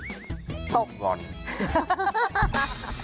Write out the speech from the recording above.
กล้องหวาน